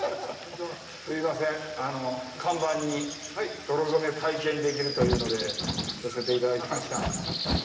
すいません、看板に泥染め体験できるというので寄せていただきました。